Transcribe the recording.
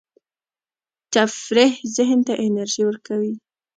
تفریح ذهن ته انرژي ورکوي.